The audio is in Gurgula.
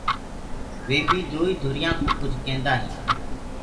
وي بي دوئيٚ ڌُريانٚوٚ ڪُج ڪيندآ هينٚ۔